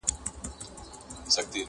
چاویل مور یې بي بي پلار یې اوزبک دی٫